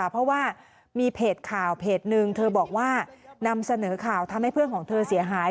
เพราะว่ามีเพจข่าวเพจหนึ่งเธอบอกว่านำเสนอข่าวทำให้เพื่อนของเธอเสียหาย